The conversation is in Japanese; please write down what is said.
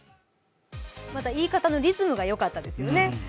また、言い方のリズムがよかったですよね。